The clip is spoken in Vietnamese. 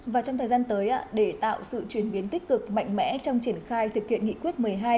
và trong thời gian tới để tạo sự chuyển biến tích cực mạnh mẽ trong triển khai thực hiện nghị quyết một mươi hai